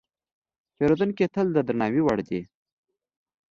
پیرودونکی تل د درناوي وړ دی.